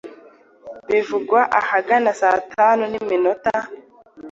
Bivugwa ahagana saa Tanu n’iminota